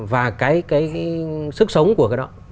và cái sức sống của cái đó